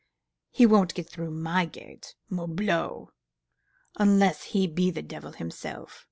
He won't get through my gate, morbleu! unless he be the devil himself.